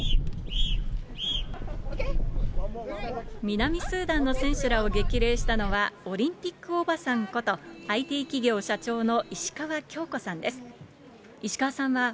南スーダンの選手らを激励したのは、オリンピックおばさんこと、ＩＴ企業社長の石川恭子さんです。